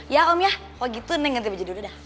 ya om ya kalau gitu neng ganti baju dulu dah